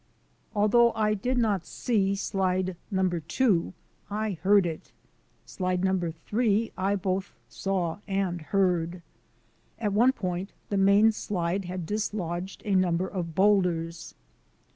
Although I did not see slide number two, I heard it. Slide number three I both saw and heard. n8 THE ADVENTURES OF A NATURE GUIDE At one point the main slide had dislodged a number of boulders.